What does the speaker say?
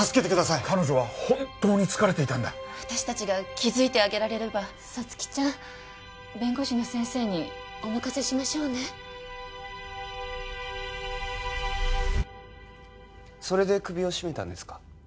ッ彼女は本当に疲れていた私達が気づいてあげられれば皐月ちゃん弁護士の先生にお任せしましょうねそれで首を絞めたんですか？